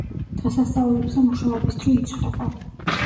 დღესასწაულებზე მუშაობის დრო იცვლება.